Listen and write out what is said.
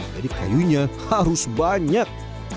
jadi kayunya harus banyak